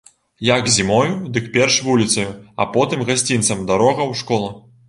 Як зімою, дык перш вуліцаю, а потым гасцінцам дарога ў школу.